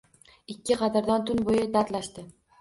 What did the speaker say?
Ikki qadrdon tun bo‘yi dardlashdi